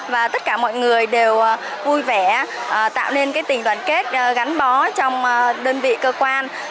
và tất cả mọi người đều vui vẻ tạo nên tình đoàn kết gắn bó trong đơn vị cơ quan